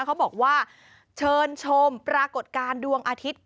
เขาบอกว่าเชิญชมปรากฏการณ์ดวงอาทิตย์